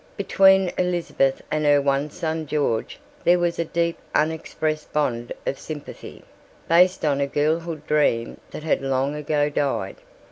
Between Elizabeth and her one son George there was a deep unexpressed bond of sympathy, based on a girlhood dream that had long ago died.